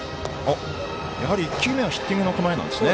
１球目はヒッティングの構えなんですね。